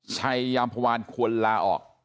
ชัยยามพวานควรลาออก